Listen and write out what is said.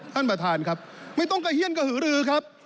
ท่านประธานครับไม่ต้องกระเฮียนกระหือรือครับ